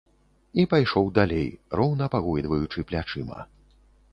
І пайшоў далей, роўна пагойдваючы плячыма.